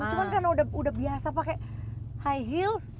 cuma karena udah biasa pakai high heels